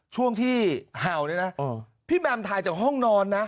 ช่วงที่เห่าเนี่ยนะพี่แมมถ่ายจากห้องนอนนะ